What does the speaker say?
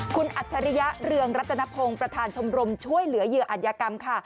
คุณอัจฉริยะเรืองรัตนพงศ์ประธานชมรมช่วยเหลือเหยื่ออัธยกรรมค่ะ